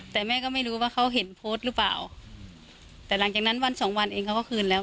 แต่แม่ก็ไม่รู้ว่าเขาเห็นโพสต์หรือเปล่าแต่หลังจากนั้นวันสองวันเองเขาก็คืนแล้ว